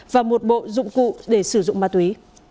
và một bộ dụng cụ để sử dụng ma túy